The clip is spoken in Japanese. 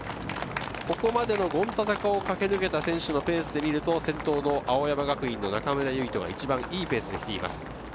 ここまでの権太坂を駆け抜けた選手のペースで見ると、先頭の青山学院の中村唯翔が一番いいペースで来ています。